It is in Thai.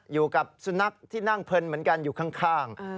อยู่กับสุนัขที่นั่งเพลินเหมือนกันอยู่ข้าง